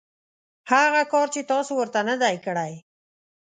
هغه کار چې تاسو ورته نه دی کړی .